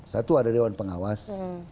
satu ada dewan pengawas